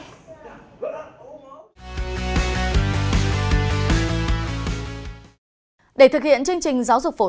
điều duy nhất mà giáo viên phải tuần thủ là thực hiện đúng chương trình giáo dục đã được ban hành